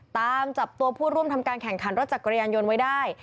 ตามจับตัวผู้ร่วมทำการแข่งขันรถจักรยานยนต์ไว้ได้